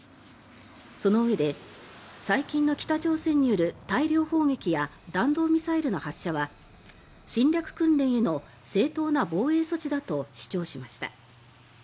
そのうえで最近の北朝鮮による大量砲撃や弾道ミサイルの発射は侵略訓練への正当な防衛措置だと主張しました。